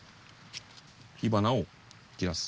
火花を散らす。